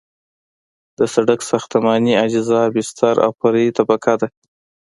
د سرک ساختماني اجزا بستر او فرعي طبقه ده